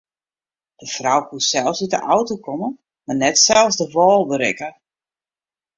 De frou koe sels út de auto komme mar net sels de wâl berikke.